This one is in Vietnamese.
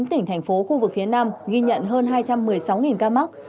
một mươi tỉnh thành phố khu vực phía nam ghi nhận hơn hai trăm một mươi sáu ca mắc